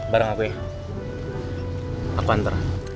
barang aku ya aku antar